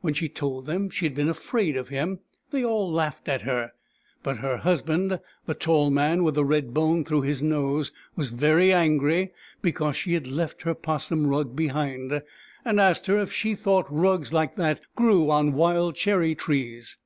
When she told them she had been afraid of him, they all laughed at her. But her husband, the tall man with the red bone through his nose, was very angry because she had left her 'possum rug behind, and asked her if she thought rugs like that grew on wild cherry trees.